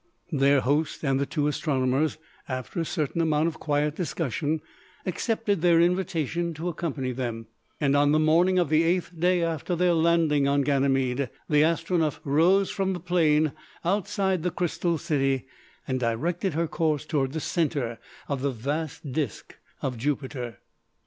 Their host and the two astronomers, after a certain amount of quiet discussion, accepted their invitation to accompany them, and on the morning of the eighth day after their landing on Ganymede, the Astronef rose from the plain outside the Crystal City, and directed her course towards the centre of the vast disc of Jupiter.